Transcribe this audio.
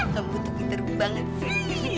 kamu tuh pinteru banget sih